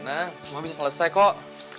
nah semua bisa selesai kok